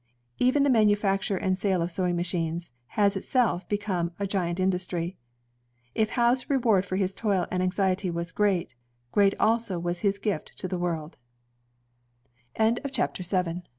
Even the manufacture and sale of sewing machines has in itself become a giant industry. If Howe's reward for his toil and anxiety was great, great also was his gift to the w